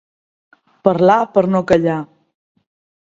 Parlar per no callar.